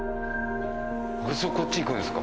こっち行くんですか。